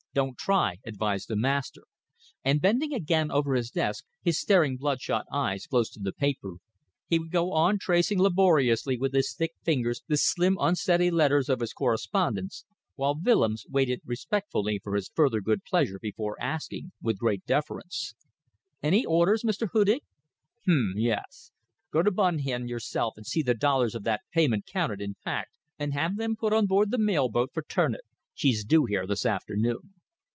Don't try," advised the master, and, bending again over his desk, his staring bloodshot eyes close to the paper, he would go on tracing laboriously with his thick fingers the slim unsteady letters of his correspondence, while Willems waited respectfully for his further good pleasure before asking, with great deference "Any orders, Mr. Hudig?" "Hm! yes. Go to Bun Hin yourself and see the dollars of that payment counted and packed, and have them put on board the mail boat for Ternate. She's due here this afternoon."